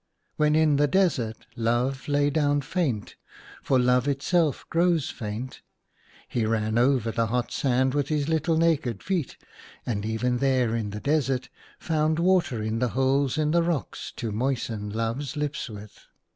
When in the desert Love lay down faint (for Love itself grows faint), he ran over the hot sand with his little naked feet, and even there in the desert found water in the holes in the rocks to moisten Love's lips with.